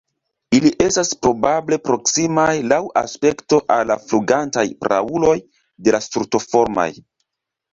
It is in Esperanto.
Ili estas probable proksimaj laŭ aspekto al la flugantaj prauloj de la Strutoformaj.